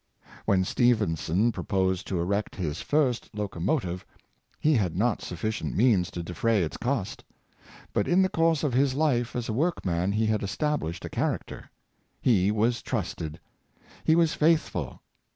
When Stephenson proposed to erect his first locomo James Watt, 413 tive, he had not sufficient means to defray its cost. But in the course of his Hfeas a workman he had established a character. He was trusted. He was faithful.